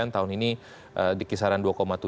tahun ini di kisaran dua tujuh dua delapan